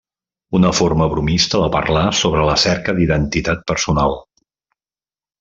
Una forma bromista de parlar sobre la cerca d'identitat personal.